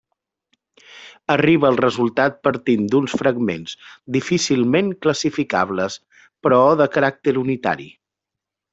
Arriba al resultat partint d'uns fragments difícilment classificables, però de caràcter unitari.